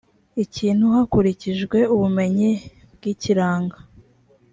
ikintu hakurikijwe ubumenyi bw ikiranga